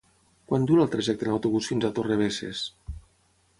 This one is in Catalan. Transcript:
Quant dura el trajecte en autobús fins a Torrebesses?